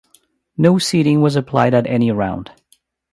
No seeding was applied at any round.